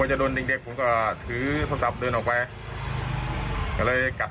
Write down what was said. อันนี้คือเขาก่อเหตุคืออะไรเขาหึงหวงเหรอครับ